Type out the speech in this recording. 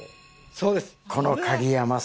そうです。